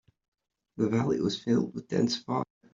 The valley was filled with dense fog.